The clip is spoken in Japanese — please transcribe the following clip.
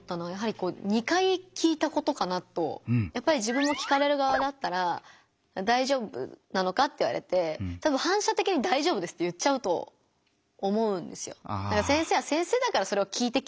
やっぱり自分も聞かれる側だったら「大丈夫なのか？」って言われてたぶん反射的に「大丈夫です」って言っちゃうと思うんですよ。